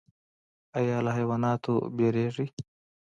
ایا له حیواناتو ویریږئ؟